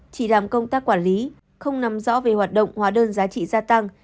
chỉ làm công tác quản lý không nắm rõ về hoạt động hóa đơn giá trị gia tăng